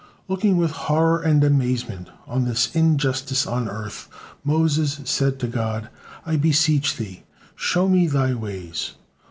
Looking with horror and amazement on this injustice on earth, Moses said to God: "I beseech Thee, show my Thy ways.